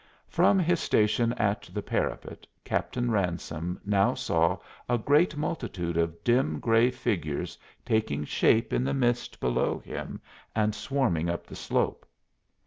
From his station at the parapet Captain Ransome now saw a great multitude of dim gray figures taking shape in the mist below him and swarming up the slope.